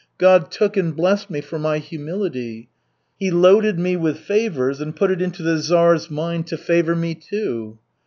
God took and blessed me for my humility. He loaded me with favors, and put it into the Czar's mind to favor me, too."